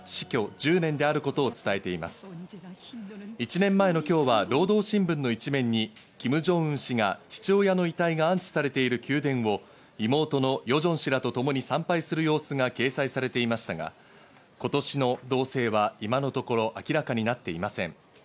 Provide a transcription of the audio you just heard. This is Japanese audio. １年前の今日は労働新聞の一面にキム・ジョンウン氏が父親の遺体が安置されている宮殿を妹のヨジョン氏らとともに参拝する様子が掲載されていましたが、今年の動静は今のところ明らかになっていません。